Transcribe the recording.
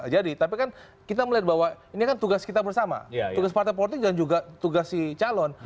jadi tapi kan kita melihat bahwa ini kan tugas kita bersama tugas partai politik dan juga tugas si calon